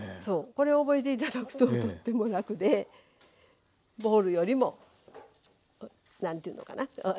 そうこれ覚えて頂くととっても楽でボウルよりも何ていうのかな